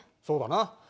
そうだな。